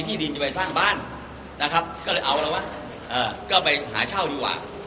ที่ดินจะไปสร้างบ้านนะครับก็เลยเอาละวะก็ไปหาเช่าดีกว่า